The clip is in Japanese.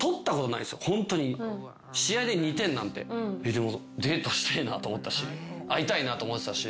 でもデートしてえなと思ったし会いたいなと思ってたし。